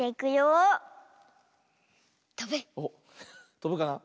とぶかな？